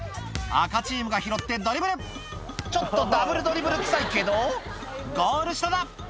赤チームが拾ってドリブルちょっとダブルドリブルくさいけどゴール下だ！